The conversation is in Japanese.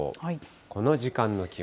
この時間の気温。